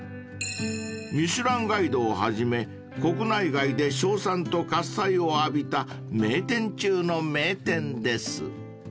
［『ミシュランガイド』をはじめ国内外で称賛と喝采を浴びた名店中の名店です］